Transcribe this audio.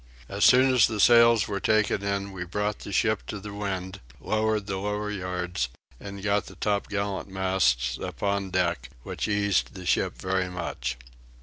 As soon as the sails were taken in we brought the ship to the wind, lowered the lower yards, and got the top gallant masts upon deck, which eased the ship very much.